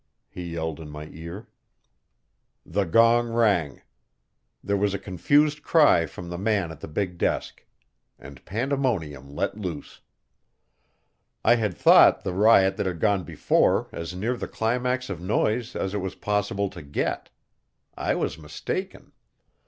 he yelled in my ear. The gong rang. There was a confused cry from the man at the big desk. And pandemonium let loose. I had thought the riot that had gone before as near the climax of noise as it was possible to get. I was mistaken.